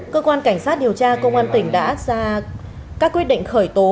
cơ quan cảnh sát điều tra công an tỉnh đã ra các quyết định khởi tố